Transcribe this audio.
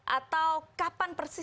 atau kapan persis